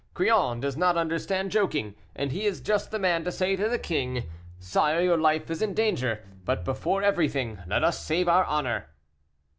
Crillon does not understand joking, and he is just the man to say to the king, 'Sire, your life is in danger; but, before everything, let us save our honor.